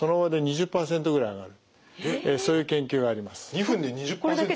２分で２０％！？